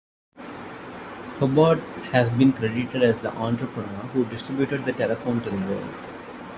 Hubbard has been credited as the entrepreneur who distributed the telephone to the world.